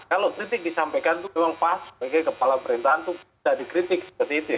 kalau kritik disampaikan itu memang pas sebagai kepala perintahan itu bisa dikritik seperti itu ya